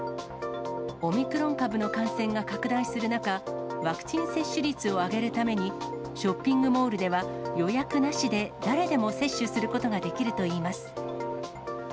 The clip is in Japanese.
オミクロン株の感染が拡大する中、ワクチン接種率を上げるために、ショッピングモールでは、予約なしで誰でも接種することができるといいます。